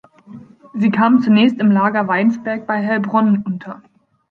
Sie kamen zunächst im Lager Weinsberg bei Heilbronn unter.